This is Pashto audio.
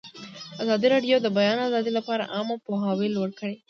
ازادي راډیو د د بیان آزادي لپاره عامه پوهاوي لوړ کړی.